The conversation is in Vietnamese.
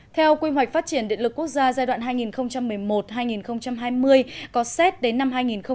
theo quy hoạch phát triển điện lực quốc gia giai đoạn hai nghìn một mươi một hai nghìn hai mươi có xét đến năm hai nghìn hai mươi